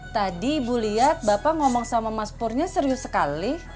tadi ibu lihat bapak ngomong sama mas purnya serius sekali